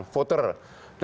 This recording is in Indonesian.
voter dan sebagainya